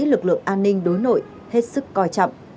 lực lượng an ninh đối nội hết sức coi trọng